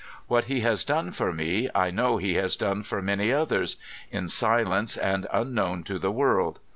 What he has done for me, I know he has done for many others ; in silence and unknown to the world.